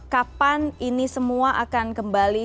kapan ini semua akan kembali